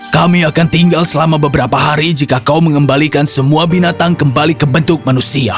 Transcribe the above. kami akan tinggal selama beberapa hari jika kau mengembalikan semua binatang kembali ke bentuk manusia